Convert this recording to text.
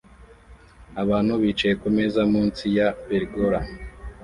Abantu bicaye kumeza munsi ya pergola